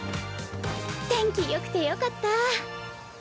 天気よくてよかったぁ。